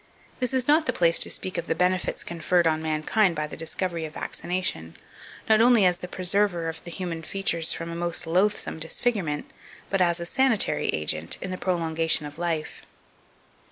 This is not the place to speak of the benefits conferred on mankind by the discovery of vaccination, not only as the preserver of the human features from a most loathsome disfigurement, but as a sanitary agent in the prolongation of life.